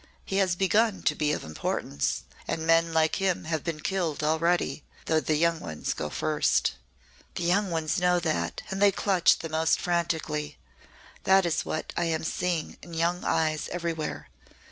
He has begun to be of importance. And men like him have been killed already though the young ones go first." "The young ones know that, and they clutch the most frantically. That is what I am seeing in young eyes everywhere.